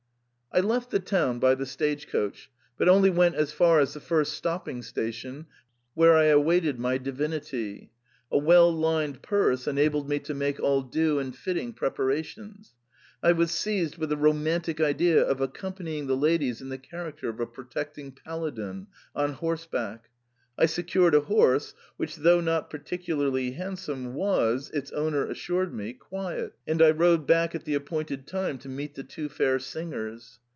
" I left the town by the stage coach, but only went as far as the first stopping station, where I awaited my divinity. A well lined purse enabled me to make all due and fitting preparations. I was seized with the romantic idea of accompanying the ladies in the char acter of a protecting paladin — on horseback ; I secured a horse, which, though not particularly handsome, was, its owner assured me, quiet, and I rode back at the appointed time to meet the two fair singers.